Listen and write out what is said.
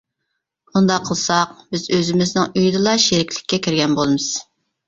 ئۇنداق قىلساق، بىز ئۆزىمىزنىڭ ئۆيىدىلا شېرىكلىككە كىرگەن بولىمىز.